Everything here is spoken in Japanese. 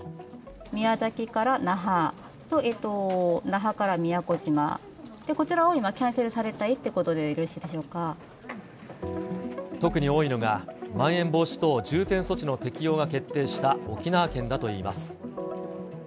宮崎から那覇と、那覇から宮古島、こちらを今、キャンセルされたいということで、特に多いのが、まん延防止等重点措置の適用が決定した沖縄県だといいます。